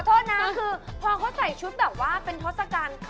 ขอโทษนะคือพอก็ใส่ชุดแบบว่าเป็นท็อตซากัน